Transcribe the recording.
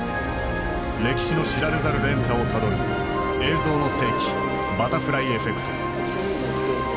歴史の知られざる連鎖をたどる「映像の世紀バタフライエフェクト」。